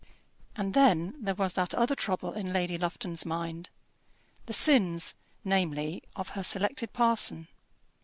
And then there was that other trouble in Lady Lufton's mind, the sins, namely, of her selected parson.